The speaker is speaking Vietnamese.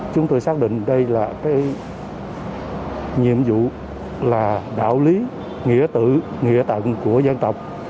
chúng tôi xác định đây là cái nhiệm vụ là đạo lý nghĩa tử nghĩa tận của dân tộc